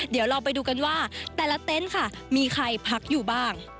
เดี๋ยวเราไปดูกันว่าแต่ละเต็นต์ค่ะมีใครพักอยู่บ้าง